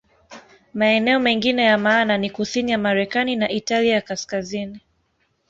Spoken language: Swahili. Maeneo mengine ya maana ni kusini ya Marekani na Italia ya Kaskazini.